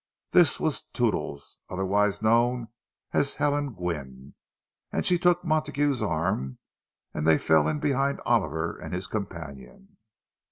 This was "Toodles"—otherwise known as Helen Gwynne; and she took Montague's arm, and they fell in behind Oliver and his companion.